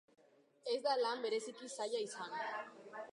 Ez da lan bereziki zaila izan.